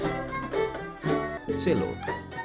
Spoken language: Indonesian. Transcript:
selain itu musik keroncong tugu juga dimainkan dengan musik keroncong